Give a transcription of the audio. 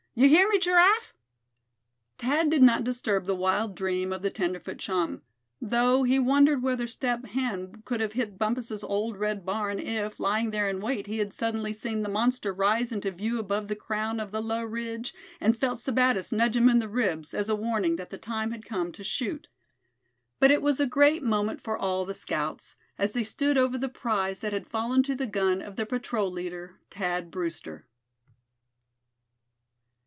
You hear me, Giraffe?" Thad did not disturb the wild dream of the tenderfoot chum; though he wondered whether Step Hen could have hit Bumpus' old red barn, if, lying there in wait, he had suddenly seen the monster rise into view above the crown of the low ridge, and felt Sebattis nudge him in the ribs, as a warning that the time had come to shoot. But it was a great moment for all the scouts, as they stood over the prize that had fallen to the gun of their patrol leader, Thad Brewster.